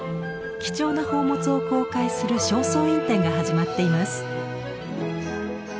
貴重な宝物を公開する「正倉院展」が始まっています。